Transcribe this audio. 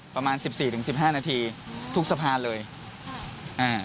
ประมาณสิบสี่ถึงสิบห้านาทีทุกสะพานเลยอ่า